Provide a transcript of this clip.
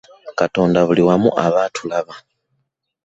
Katonda buli wamu aba atulaba.